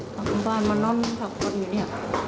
กระกับมาบ้านมันน่อนมัน๑๐คนอยู่เนี่ยฮะ